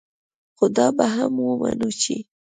خو دا به هم منو چې